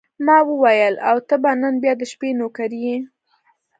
ما وویل: او ته به نن بیا د شپې نوکري یې.